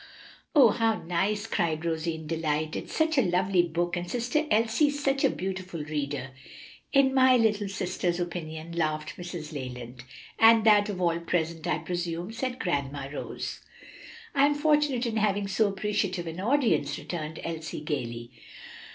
'" "Oh, how nice!" cried Rosie in delight; "it's such a lovely book, and sister Elsie's such a beautiful reader." "In my little sister's opinion," laughed Mrs. Leland. "And that of all present, I presume," said "Grandma Rose." "I am fortunate in having so appreciative an audience," returned Elsie gayly.